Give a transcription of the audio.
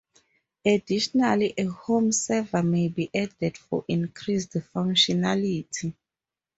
Additionally, a home server may be added for increased functionality.